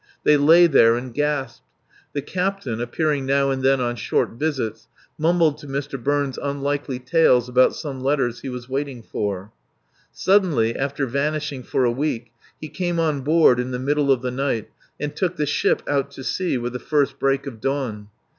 They lay there and gasped. The captain, appearing now and then on short visits, mumbled to Mr. Burns unlikely tales about some letters he was waiting for. Suddenly, after vanishing for a week, he came on board in the middle of the night and took the ship out to sea with the first break of dawn.